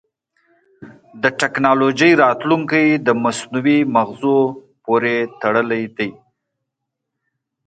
د ټکنالوجۍ راتلونکی د مصنوعي مغزو پورې تړلی دی.